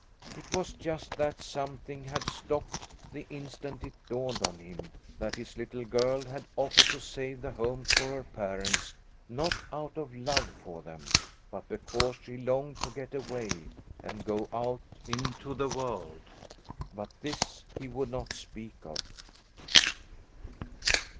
It was just that something had stopped the instant it dawned on him that his little girl had offered to save the home for her parents not out of love for them, but because she longed to get away and go out in time world. But this he would not speak of.